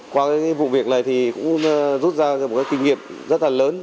qua cái vụ việc này thì cũng rút ra một cái kinh nghiệm rất là lớn